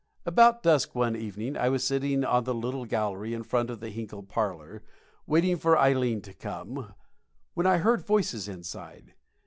About dusk one evening I was sitting on the little gallery in front of the Hinkle parlor, waiting for Ileen to come, when I heard voices inside.